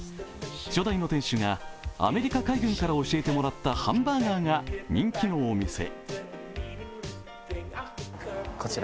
初代の店主がアメリカ海軍から教えてもらったハンバーガーが人気のお店。